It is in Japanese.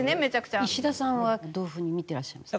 石田さんはどういう風に見てらっしゃいますか？